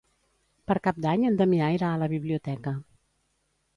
Per Cap d'Any en Damià irà a la biblioteca.